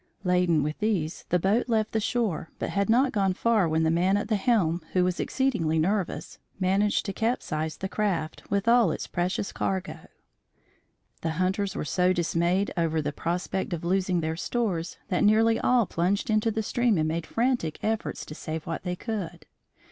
Laden with these the boat left the shore but had not gone far when the man at the helm, who was exceedingly nervous, managed to capsize the craft, with all its precious cargo. The hunters were so dismayed over the prospect of losing their stores that nearly all plunged into the stream and made frantic efforts to save what they could.